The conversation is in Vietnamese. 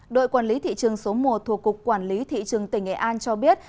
đội quản lý thị trường số một thuộc cục quản lý thị trường tỉnh nghệ an cho biết